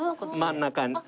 真ん中に。